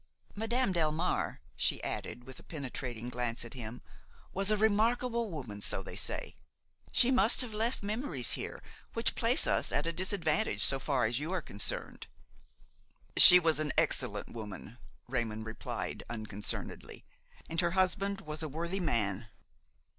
Madame Delmare," she added, with a penetrating glance at him, "was a remarkable woman, so they say; she must have left memories here which place us at a disadvantage, so far as you are concerned." "She was an excellent woman," Raymon replied, unconcernedly, "and her husband was a worthy man."